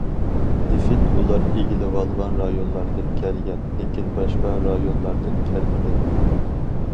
نېفىت ئۇلار ئىگىلىۋالغان رايونلاردىن كەلگەن لېكىن باشقا رايونلاردىن كەلمىگەن.